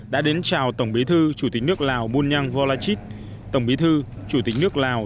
đã đến chào tổng bí thư chủ tịch nước lào bunyang volachit tổng bí thư chủ tịch nước lào